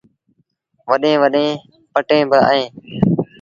وڏيݩ وڏيݩ ڀٽيٚن با اهين